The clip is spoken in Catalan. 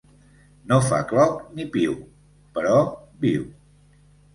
No fa cloc, ni piu, però viu.